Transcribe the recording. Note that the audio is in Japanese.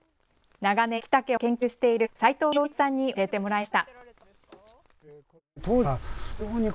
長年、昭武を研究している齊藤洋一さんに教えてもらいました。